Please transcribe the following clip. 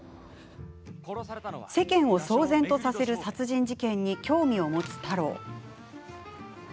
世間を騒然とさせる殺人事件に興味を持つ太郎。